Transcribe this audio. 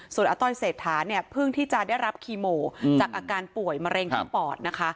ส่วนอาต้อยเศรษฐาเนี่ยเพิ่งที่จะได้รับคีโมจากอาการป่วยมะเร็งที่ปอดนะคะ